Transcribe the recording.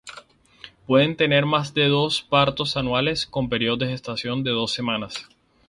Pueden tener más de dos partos anuales con periodos de gestación de dos semanas.